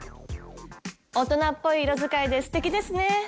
大人っぽい色使いですてきですね。